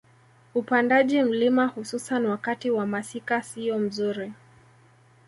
Upandaji mlima hususan wakati wa masika siyo mzuri